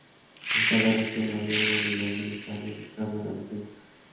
En cada región había una unidad militar dedicada a la defensa.